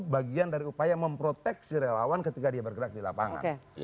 bagian dari upaya memproteksi relawan ketika dia bergerak di lapangan